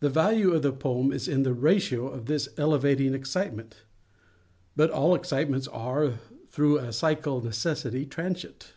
The value of the poem is in the ratio of this elevating excitement. But all excitements are, through a psychal necessity, transient.